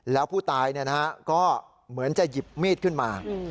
แล้วผู้ตายก็เหมือนจะหยิบมีดขึ้นมา